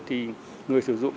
thì người sử dụng